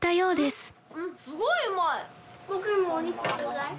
すごいうまい！